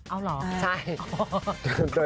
เอาเหรอ